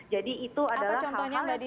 jadi itu adalah hal hal yang sebenernya